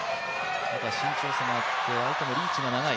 身長差があって、相手もリーチが長い。